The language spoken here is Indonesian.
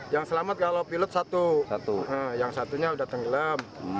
yang selamat kalau pilot satu satu yang satunya sudah tenggelam